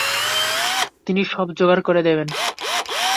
তিনি সব যোগাড় করে দেবেন।